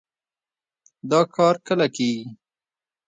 دا کار کله کېږي؟